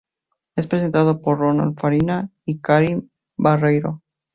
Es presentado por Ronald Farina y Karin Barreiro.